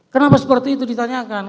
kenapa seperti itu ditanyakan